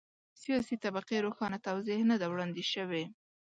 سیاسي طبقې روښانه توضیح نه ده وړاندې شوې.